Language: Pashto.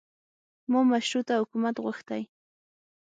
ما مشروطه حکومت غوښتی.